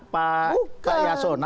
pak yasona maksudnya